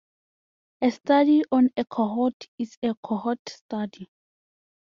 A study on a cohort is a cohort study.